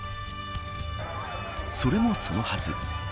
それもそのはず